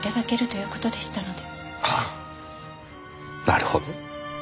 なるほど。